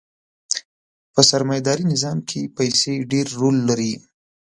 په سرمایه داري نظام کښې پیسې ډېر رول لري.